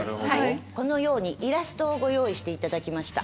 このようにイラストをご用意していただきました。